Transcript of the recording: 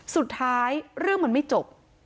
สุดท้ายเรื่องมันไม่จบ